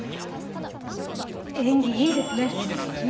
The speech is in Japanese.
縁起いいですね。